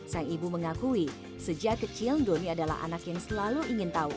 sang ibu mengakui sejak kecil doni adalah anak yang selalu ingin tahu